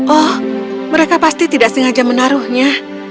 oh mereka pasti tidak sengaja menaruhnya